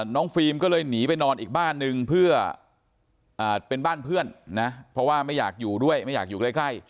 ฟิล์มก็เลยหนีไปนอนอีกบ้านนึงเพื่อเป็นบ้านเพื่อนนะเพราะว่าไม่อยากอยู่ด้วยไม่อยากอยู่ใกล้